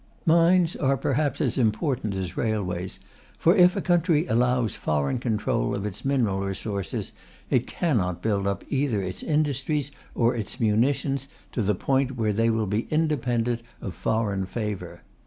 Mines are perhaps as important as railways, for if a country allows foreign control of its mineral resources it cannot build up either its industries or its munitions to the point where they will be independent of foreign favour.